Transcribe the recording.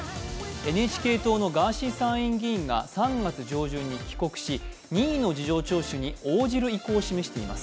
ＮＨＫ党のガーシー参院議員が３月中旬に帰国し任意の事情聴取に応じる意向を示しています。